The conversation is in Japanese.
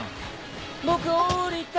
僕降りた。